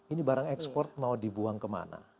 ini barang ekspor mau dibuang kemana